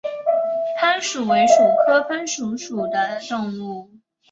攀鼠为鼠科攀鼠属的动物。